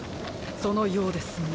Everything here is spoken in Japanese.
そのようですね。